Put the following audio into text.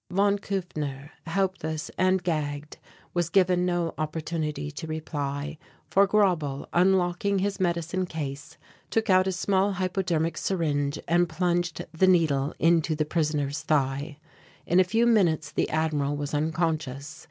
Von Kufner, helpless and gagged was given no opportunity to reply, for Grauble, unlocking his medicine case took out a small hypodermic syringe and plunged the needle into the prisoner's thigh. In a few minutes the Admiral was unconscious.